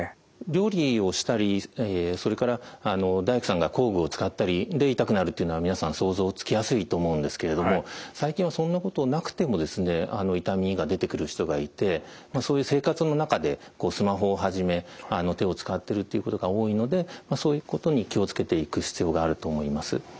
料理をしたりそれから大工さんが工具を使ったりで痛くなるというのは皆さん想像つきやすいと思うんですけれども最近はそんなことなくても痛みが出てくる人がいてそういう生活の中でスマホをはじめ手を使ってるということが多いのでそういうことに気を付けていく必要があると思います。